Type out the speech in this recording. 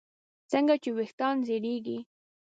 څنګه چې ویښتان زړېږي